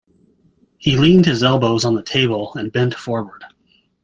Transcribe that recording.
He leaned his elbows on the table and bent forward.